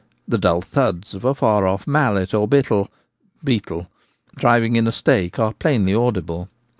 The dull thuds of a far off mallet or ' bitel ' (beetle) driving in a stake are plainly audible.